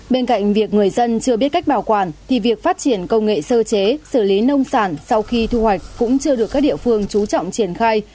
bên cạnh việc người dân chưa biết cách bảo quản thì việc phát triển công nghệ sơ chế xử lý nông sản sau khi thu hoạch cũng chưa được các địa phương trú trọng triển khai